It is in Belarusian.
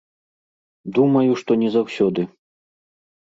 Думаю, што не заўсёды.